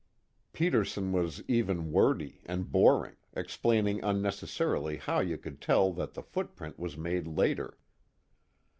Peterson was even wordy and boring, explaining unnecessarily how you could tell that the footprint was made later.